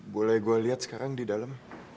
boleh gue lihat sekarang di dalam